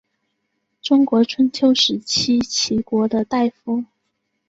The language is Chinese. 中国春秋时期齐国的大夫。